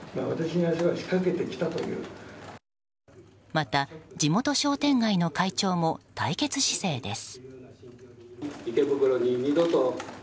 また、地元商店街の会長も対決姿勢です。